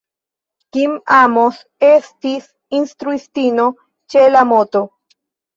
Kim Amos estis instruistino ĉe la "Mt.